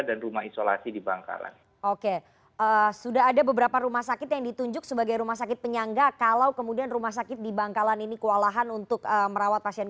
di antaranya rumah sakit dokter